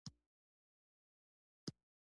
د تخت سلیمان کیسه د مېړانې الهام ورکوي.